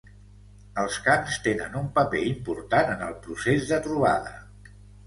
Els cants tenen un paper important en el procés de trobada.